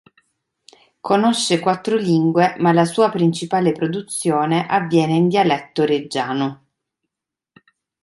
Conosce quattro lingue ma la sua principale produzione avviene in dialetto reggiano.